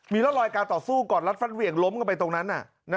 มีร่องรอยการต่อสู้ก่อนรัดฟัดเหวี่ยงล้มกันไปตรงนั้น